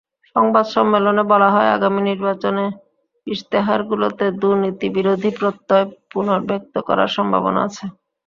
সংবাদ সম্মেলনে বলা হয়, আগামী নির্বাচনে ইশতেহারগুলোতে দুর্নীতিবিরোধী প্রত্যয় পুনর্ব্যক্ত করার সম্ভাবনা আছে।